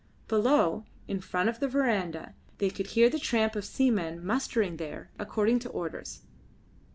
Below, in front of the verandah, they could hear the tramp of seamen mustering there according to orders.